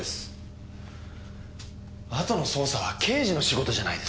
あとの捜査は刑事の仕事じゃないですか。